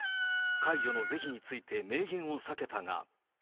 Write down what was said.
解除の是非について明言を避けたが。